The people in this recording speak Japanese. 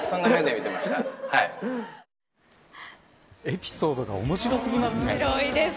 エピソードが面白すぎますね。